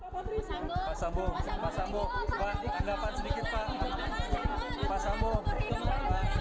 pak sambu pak sambu pak sambu tanggapan sedikit pak